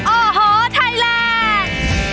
โอ้โหไทยแลนด์